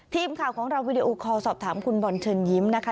ทีมข่าวของเราวิดีโอคอลสอบถามคุณบอลเชิญยิ้มนะคะ